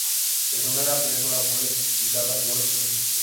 Su primera película fue la citada Wolf Creek.